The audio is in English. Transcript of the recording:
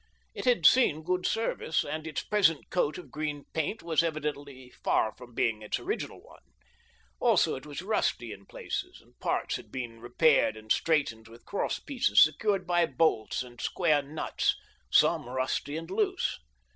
It had seen good service, and its present coat of green paint was evidently far from being its original one. Also it was rusty in places, and parts had been repaired and strengthened with cross pieces secured by bolts and square nuts, some rusty and loose.